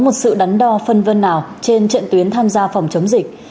một sự đắn đo phân vân nào trên trận tuyến tham gia phòng chống dịch